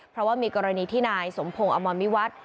เพราะว่ามีกรณีที่นายสมพงศ์อมรวิวัฒน์